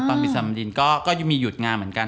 ตอนปิดสนามบินก็มีหยุดงานเหมือนกัน